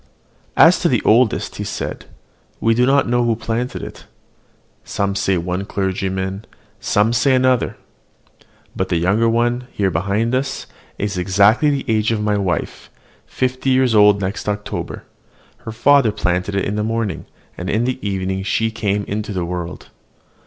"As to the oldest," said he, "we do not know who planted it, some say one clergyman, and some another: but the younger one, there behind us, is exactly the age of my wife, fifty years old next October; her father planted it in the morning, and in the evening she came into the world.